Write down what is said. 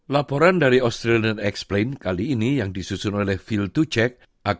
laporan dari australian explained kali ini yang disusun oleh phil tuchek